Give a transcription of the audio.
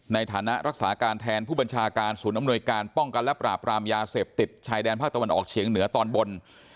ในฐานะรักษาการแทนผู้บัญชาการศูนย์อำนวยการป้องกันและปราบรามยาเสพติดชายแดนภาคตะวันออกเฉียงเหนือตอนบน